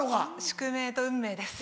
宿命と運命です。